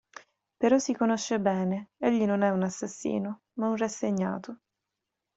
Però si conosce bene: egli non è un assassino, ma un rassegnato.